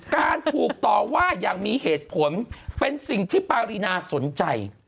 การบุปลอว่ายังมีเหตุผลเป็นสิ่งที่ปรินาสนใจ